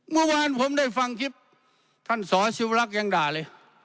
เมื่อวานผมได้ฟังคลิปท่านสอชิวรักษ์ยังด่าเลย